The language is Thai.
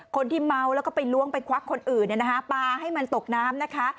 คนที่เมาแล้วก็ไปล้วงไปควักคนอื่นปลาให้มันตกน้ำนะคะ